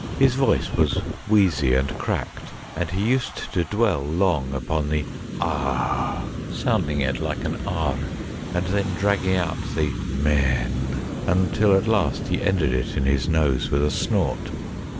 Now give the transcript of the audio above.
His voice was wheezy and cracked, and he used to dwell long upon the A —, sounding it like an E, and then dragging out the —men, until at last he ended it in his nose with a snort.